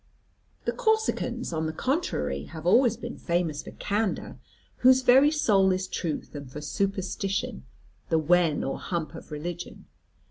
The Corsicans, on the contrary, have always been famous for candour, whose very soul is truth, and for superstition, the wen or hump of religion.